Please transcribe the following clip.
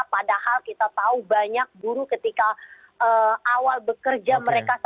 padahal kita tahu banyak buruh ketika awal bekerja mereka